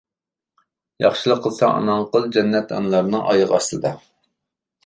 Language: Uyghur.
ياخشىلىق قىلساڭ ئاناڭغا قىل، جەننەت ئانىلارنىڭ ئايىغى ئاستىدا!